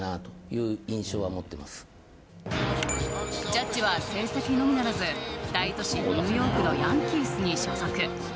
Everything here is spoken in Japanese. ジャッジは成績のみならず大都市・ニューヨークのヤンキースに所属。